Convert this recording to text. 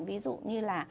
ví dụ như là